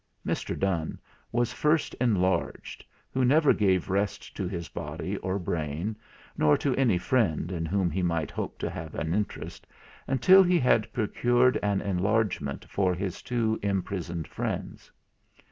Mr. Donne was first enlarged, who neither gave rest to his body or brain, nor to any friend in whom he might hope to have an interest, until he had procured an enlargement for his two imprisoned friends.